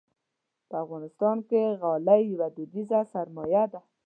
په افغانستان کې غالۍ یوه دودیزه سرمایه ده.